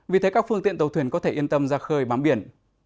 vì thế các phương tiện tàu thuyền có thể yên tâm ra khơi bám biển